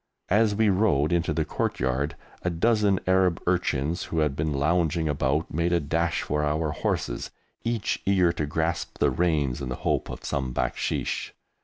As we rode into the courtyard a dozen Arab urchins who had been lounging about made a dash for our horses, each eager to grasp the reins in the hope of some "baksheesh."